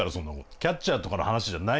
キャッチャーとかの話じゃない。